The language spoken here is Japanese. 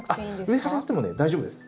上からやってもね大丈夫です。